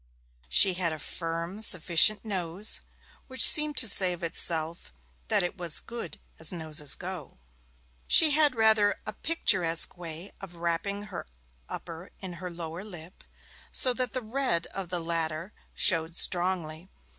She had a firm, sufficient nose, which seemed to say of itself that it was good as noses go. She had rather a picturesque way of wrapping her upper in her lower lip, so that the red of the latter showed strongly.